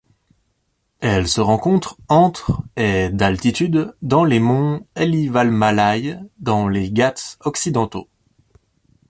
Elle se rencontre entre et d'altitude dans les monts Elivalmalai dans les Ghats occidentaux.